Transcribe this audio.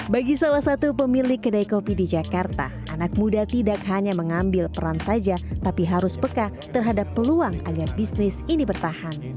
bagi salah satu pemilik kedai kopi di jakarta anak muda tidak hanya mengambil peran saja tapi harus peka terhadap peluang agar bisnis ini bertahan